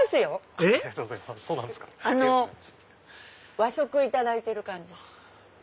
えっ⁉和食いただいてる感じです。